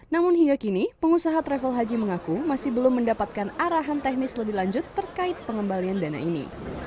namun hingga kini pengusaha travel haji mengaku masih belum mendapatkan arahan teknis lebih lanjut terkait pengembalian dana ini